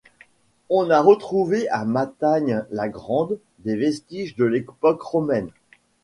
On a retrouvé à Matagne-la-Grande des vestiges de l’époque romaine.